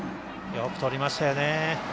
よくとりましたよね。